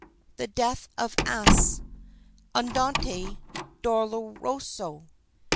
THE DEATH OF AASE (Andante doloroso) 3.